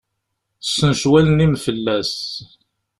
Ssencew allen-im fell-as!